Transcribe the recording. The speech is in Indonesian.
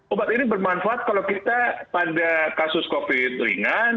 obat ini bermanfaat kalau kita pada kasus covid ringan